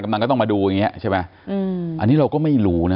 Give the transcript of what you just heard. กำลังก็ต้องมาดูอย่างเงี้ใช่ไหมอืมอันนี้เราก็ไม่รู้นะ